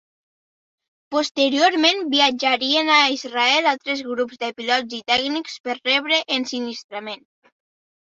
Posteriorment viatjarien a Israel altres grups de pilots i tècnics per rebre ensinistrament.